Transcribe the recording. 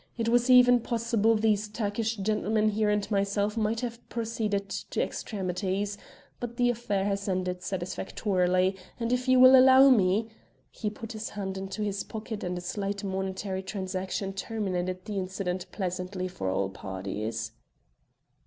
It was even possible these Turkish gentlemen here and myself might have proceeded to extremities, but the affair has ended satisfactorily, and if you will allow me " He put his hand into his pocket and a slight monetary transaction terminated the incident pleasantly for all parties.